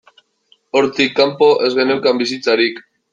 Hortik kanpo, ez geneukan bizitzarik.